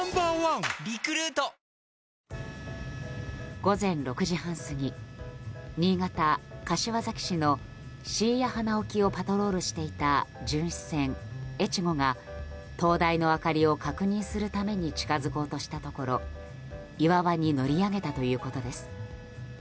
午前６時半過ぎ新潟・柏崎市の椎谷鼻沖をパトロールしていた巡視船「えちご」が灯台の明かりを確認するために近づこうとしたところ岩場に乗り上げたということです。